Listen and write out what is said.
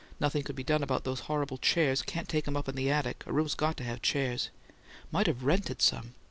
Nothing could be done about these horrible chairs: can't take 'em up in the attic a room's got to have chairs! Might have rented some.